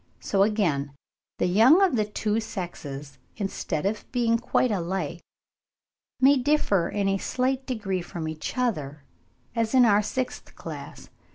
So again the young of the two sexes, instead of being quite alike, may differ in a slight degree from each other, as in our sixth class.